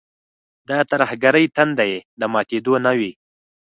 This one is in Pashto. د ترهګرۍ تنده یې د ماتېدو نه وي.